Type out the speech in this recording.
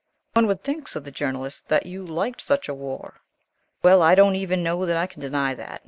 "One would think," said the Journalist, "that you liked such a war." "Well, I don't even know that I can deny that.